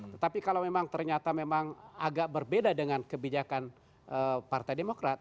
tetapi kalau memang ternyata memang agak berbeda dengan kebijakan partai demokrat